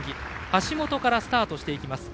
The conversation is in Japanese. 橋本からスタートします。